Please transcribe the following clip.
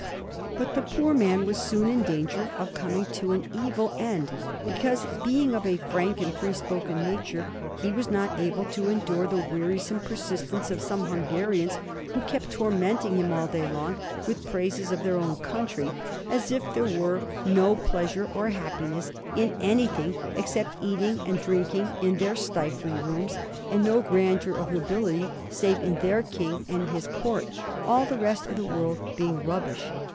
But the poor man was soon in danger of coming to an evil end, because, being of a frank and free spoken nature, he was not able to endure the wearisome persistence of some Hungarians, who kept tormenting him all day long with praises of their own country, as if there were no pleasure or happiness in anything except eating and drinking in their stifling rooms, and no grandeur or nobility save in their King and his Court, all the rest of the world being rubbish.